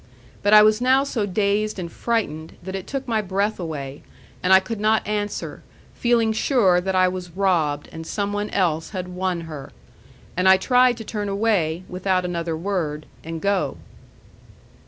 But I was now so dazed and frightened, that it took my breath away, and I could not answer, feeling sure that I was robbed and some one else had won her. And I tried to turn away, without another word, and go.